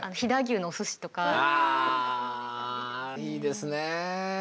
ああいいですねぇ。